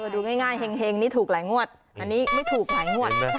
ดูง่ายเฮงนี่ถูกหลายงวดอันนี้ไม่ถูกหลายงวด